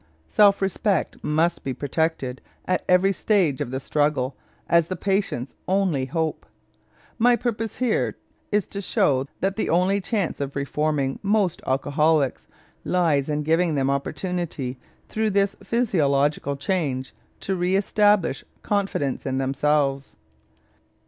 Self respect must be protected at every stage of the struggle as the patient's only hope. My purpose here is to show that the only chance of reforming most alcoholics lies in giving them opportunity through this physiological change to reëstablish confidence in themselves.